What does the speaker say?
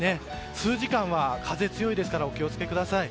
数時間は風が強いですからお気をつけください。